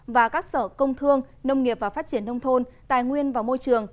và các sở công thương nông nghiệp và phát triển nông thôn tài nguyên và môi trường